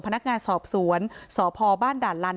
พนักงานสอบสวนสพบ้านด่านลัน